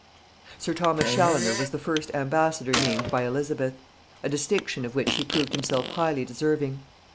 Sir Thomas Chaloner was the first ambassador named by Elizabeth; a distinction of which he proved himself highly deserving.